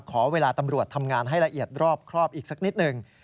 ขอเวลาตำรวจทำงานให้ละเอียดรอบครอบอีกสักนิดหนึ่ง